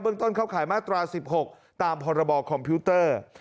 ต้นเข้าขายมาตรา๑๖ตามพรบคอมพิวเตอร์